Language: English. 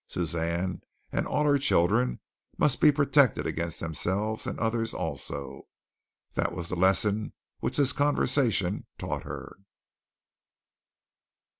Suzanne and all her children must be protected against themselves and others also. That was the lesson which this conversation taught her.